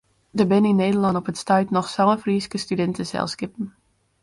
Der binne yn Nederlân op it stuit noch sân Fryske studinteselskippen.